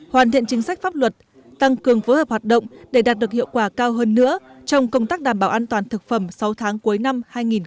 hoàn thiện chính sách pháp luật tăng cường phối hợp hoạt động để đạt được hiệu quả cao hơn nữa trong công tác đảm bảo an toàn thực phẩm sáu tháng cuối năm hai nghìn hai mươi